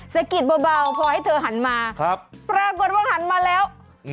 สะกิดเบาพอให้เธอหันมาปรากฏว่าหันมาแล้ว